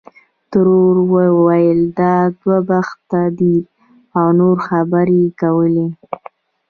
ترور ویل دا دوه بخته دی او نورې خبرې یې کولې.